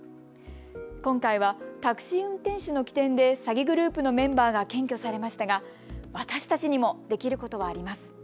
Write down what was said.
今回はタクシー運転手の機転で詐欺グループのメンバーが検挙されましたが私たちにもできることはあります。